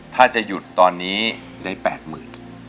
ถ้าจะหยุดตอนนี้ได้แปดหมื่น